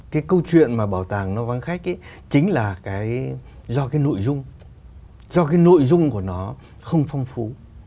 cái câu chuyện mà bảo tàng nó vắng khách chính là cái do cái nội dung do cái nội dung của nó không phong phú